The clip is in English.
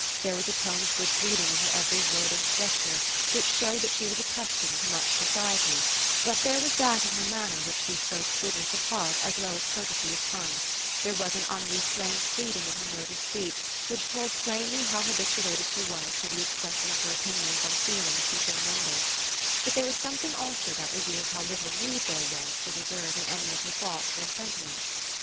There was a tone of good breeding in her every word and gesture, which showed that she was accustomed to much society; but there was that in her manner which bcspoko good ness of heart as well as courtesy of tongue ; there was an unrestrained freedom in her mode of speech which told plainly how habituated she was to the expression of her opinions and feelings before numbers, but there was something also that revealed how little need there was for re serve in any of ^er thoughts or sentiments.